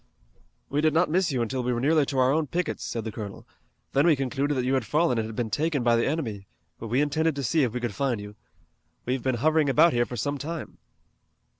"We did not miss you until we were nearly to our own pickets," said the colonel. "Then we concluded that you had fallen and had been taken by the enemy, but we intended to see if we could find you. We've been hovering about here for some time."